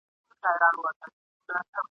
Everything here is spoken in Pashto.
حاجي لالي برخه واخیسته.